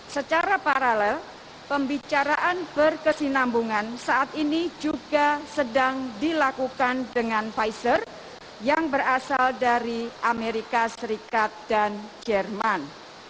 secara paralel pembicaraan berkesinambungan saat ini juga sedang dilakukan dengan pfizer yang berasal dari amerika serikat dan jerman